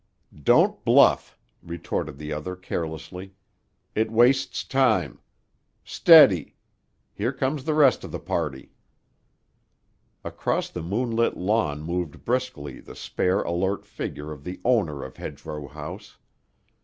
"Don't bluff," retorted the other carelessly. "It wastes time. Steady! Here comes the rest of the party." Across the moonlit lawn moved briskly the spare alert figure of the owner of Hedgerow House.